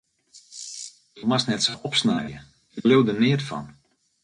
Do moatst net sa opsnije, ik leau der neat fan.